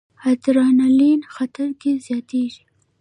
ادرانالین خطر کې زیاتېږي.